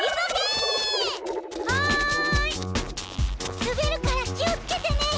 すべるから気をつけてね。